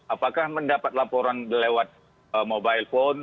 apakah mendapat laporan lewat mobile phone